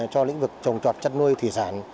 cho lĩnh vực trồng trọt chất nuôi thủy sản